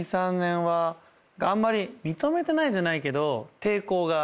あんまり認めてないじゃないけど。